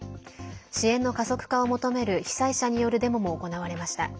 支援の加速化を求める被災者によるデモも行われました。